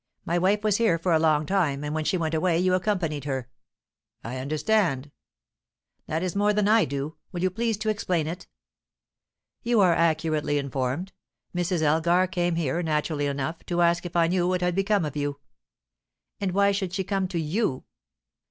My wife was here for a long time, and when she went away, you accompanied her." "I understand." "That is more than I do. Will you please to explain it?" "You are accurately informed. Mrs. Elgar came here, naturally enough, to ask if I knew what had become of you." "And why should she come to you?"